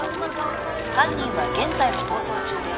犯人は現在も逃走中です・